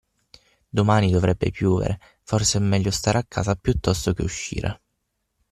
Domani dovrebbe piovere, forse è meglio stare a casa piuttosto che uscire.